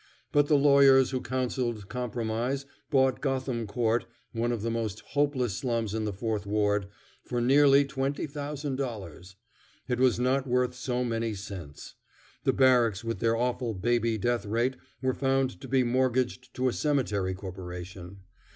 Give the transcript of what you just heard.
But the lawyers who counseled compromise bought Gotham Court, one of the most hopeless slums in the Fourth Ward, for nearly $20,000. It was not worth so many cents. The Barracks with their awful baby death rate were found to be mortgaged to a cemetery corporation.